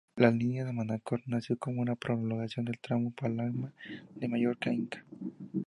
La línea de Manacor nació como una prolongación del tramo Palma de Mallorca-Inca.